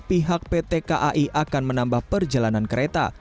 pihak pt kai akan menambah perjalanan kereta